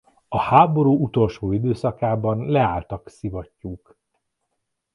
A háború utolsó időszakában leálltak szivattyúk.